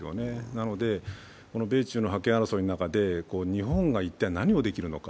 なので、米中の覇権争いの中で日本が一体何をできるのか。